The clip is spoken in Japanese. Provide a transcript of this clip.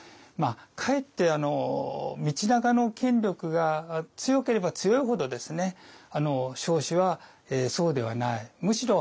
かえって道長の権力が強ければ強いほど彰子はそうではない。